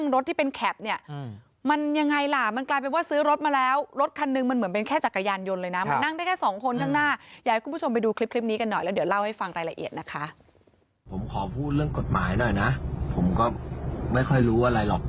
ผมขอพูดเรื่องกฎหมายหน่อยนะผมก็ไม่ค่อยรู้อะไรหรอก